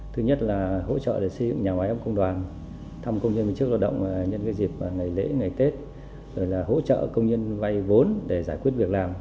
thứ nhất là hỗ trợ để xây dựng nhà máy ấm công đoàn thăm công nhân viên chức lao động nhân dịp ngày lễ ngày tết rồi là hỗ trợ công nhân vay vốn để giải quyết việc làm